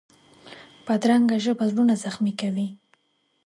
بدرنګه ژبه زړونه زخمي کوي